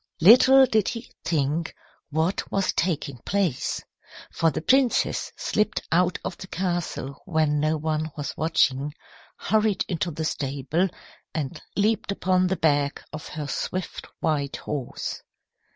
Little did he think what was taking place. For the princess slipped out of the castle when no one was watching, hurried into the stable, and leaped upon the back of her swift white horse.